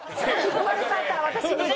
生まれ変わったら私に。